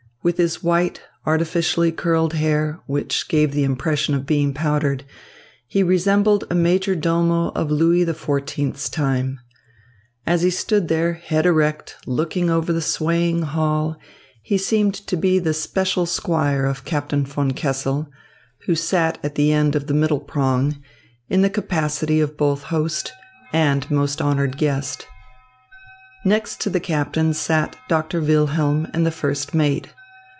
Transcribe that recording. With his white, artificially curled hair, which gave the impression of being powdered, he resembled a major domo of Louis XIV's time. As he stood there, head erect, looking over the swaying hall, he seemed to be the special squire of Captain von Kessel, who sat at the end of the middle prong, in the capacity both of host and most honoured guest. Next to the captain sat Doctor Wilhelm and the first mate.